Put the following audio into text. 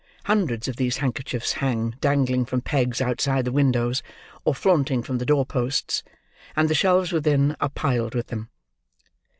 Hundreds of these handkerchiefs hang dangling from pegs outside the windows or flaunting from the door posts; and the shelves, within, are piled with them.